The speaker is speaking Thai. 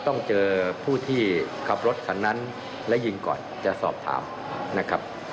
ต้องเจอผู้ที่ขับรถคันนั้นและยิงก่อนจะสอบถามนะครับ